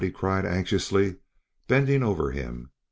he cried anxiously, bending over him.